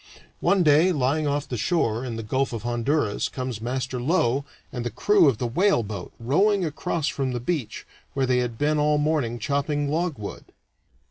One day, lying off the shore, in the Gulf of Honduras, comes Master Low and the crew of the whaleboat rowing across from the beach, where they had been all morning chopping logwood.